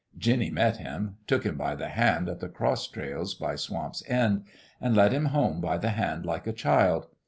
Jinny met him took him by the hand at the cross trails by Swamp's End and led him home by the hand like a child.